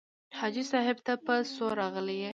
حاجي صاحب ته په څو راغلې.